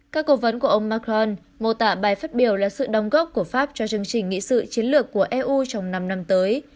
các cố vấn của ông macron mô tả bài phát biểu là sự đóng góp của pháp cho chương trình nghị sự chiến lược của eu trong năm năm tới